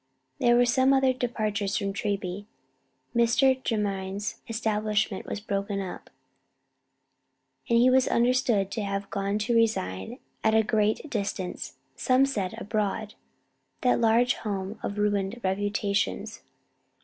There were other departures from Treby. Mr. Jermyn's establishment was broken up, and he was understood to have gone to reside at a great distance: some said "abroad," that large home of ruined reputations.